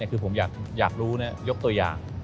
คือผมอยากรู้ยกตัวอย่าง